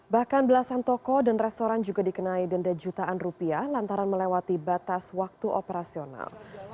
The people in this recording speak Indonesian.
bahkan belasan toko dan restoran juga dikenai denda jutaan rupiah lantaran melewati batas waktu operasional